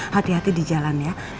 hati hati di jalan ya